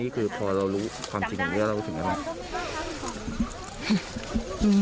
คือพอเรารู้ความจริงอย่างนี้เรารู้สึกยังไงบ้าง